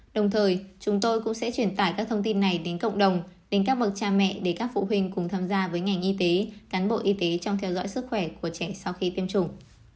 đồng thời chúng tôi cũng sẽ truyền tải các thông tin này đến cộng đồng đến các bậc cha mẹ để các phụ huynh cùng tham gia với ngành y tế cán bộ y tế trong theo dõi sức khỏe của trẻ sau khi tiêm chủng